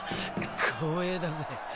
光栄だぜ。